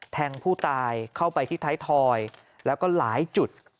แทงผู้ตายเข้าไปที่ท้ายทอยแล้วก็หลายจุด